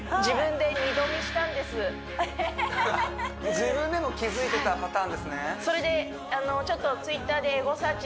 自分でも気付いてたパターンですね